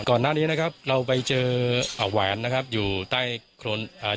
ก่อนหน้านี้นะครับเราไปเจออ่าแหวนนะครับอยู่ใต้โครนอ่า